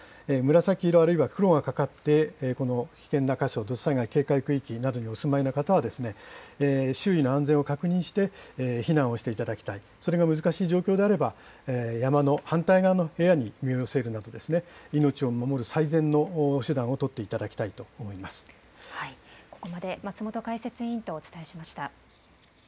紫色あるいは黒がかかって、この危険な箇所、土砂災害警戒区域などにお住まいの方は、周囲の安全を確認して避難をしていただきたい、それが難しい状況であれば、山の反対側の部屋に身を寄せるなどですね、命を守る最善の手段をここまで松本解説委員とお伝えしました。